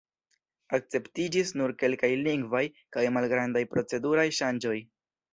Akceptiĝis nur kelkaj lingvaj kaj malgrandaj proceduraj ŝanĝoj.